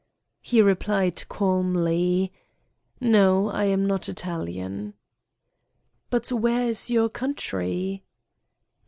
He replied calmly: "No, I am not Italian." "But where is your country!